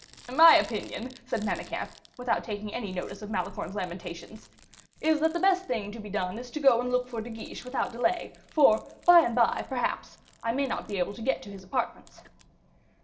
"My opinion," said Manicamp, without taking any notice of Malicorne's lamentations, "is that the best thing to be done is to go and look for De Guiche without delay, for, by and by, perhaps, I may not be able to get to his apartments."